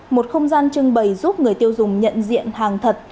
một không gian trưng bày giúp người tiêu dùng nhận diện hàng thật